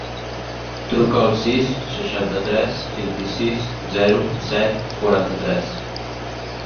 Truca al sis, seixanta-tres, vint-i-sis, zero, set, quaranta-tres.